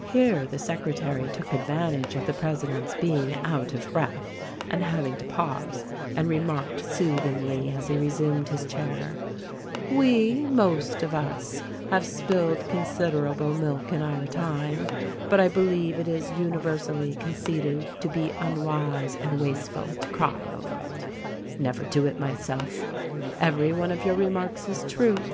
Here the secretary took advantage of the president's being out of breath and having to pause, and remarked soothingly as he resumed his chair, "We, most of us, have spilled con siderable milk in our time ; but I believe it is universally con ceded to be unwise and wasteful to cry over it. Never do it, myself ! Every one of your remarks is true.